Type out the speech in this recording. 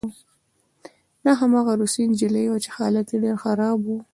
دا هماغه روسۍ نجلۍ وه چې حالت یې ډېر خراب و